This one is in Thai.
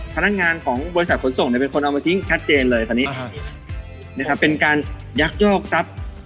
พนักงานของบริษัทขนส่งเนี่ยเป็นคนเอามาทิ้งชัดเจนเลยตอนนี้นะครับเป็นการยักยอกทรัพย์